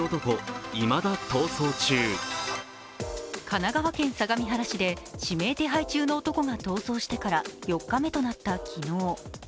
神奈川県相模原市で指名手配中の男が逃走してから４日目となった昨日。